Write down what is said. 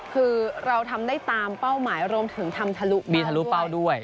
คือเราทำได้ตามเป้าหมายรวมถึงทำทะลุเป้าด้วย